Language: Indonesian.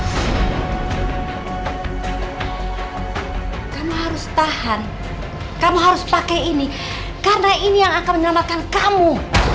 kamu harus tahan kamu harus pakai ini karena ini yang akan menyelamatkan kamu